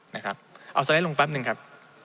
นะครับเอาสไลด์ลงแป๊บหนึ่งครับ